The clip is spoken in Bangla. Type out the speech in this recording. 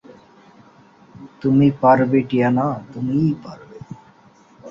তুমি পারবে টিয়ানা, তুমিই পারবে।